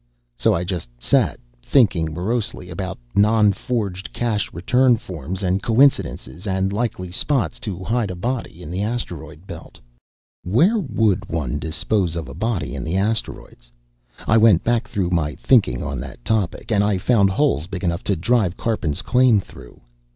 So I just sat, thinking morosely about non forged cash return forms, and coincidences, and likely spots to hide a body in the Asteroid Belt. Where would one dispose of a body in the asteroids? I went back through my thinking on that topic, and I found holes big enough to drive Karpin's claim through.